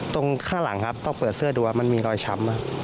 ต้องเปิดเสื้อดูว่ามันมีรอยช้ำ